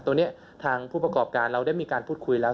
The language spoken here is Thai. ตัวนี้ทางผู้ประกอบการเราได้มีการพูดคุยแล้ว